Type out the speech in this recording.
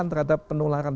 pembelajaran kita juga turun